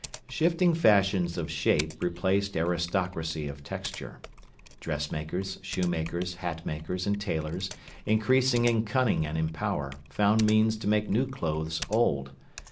Shifting fashions of shape replaced aristocracy of texture: dressmakers, shoemakers, hatmakers, and tailors, increasing in cunning and in power, found means to make new clothes old.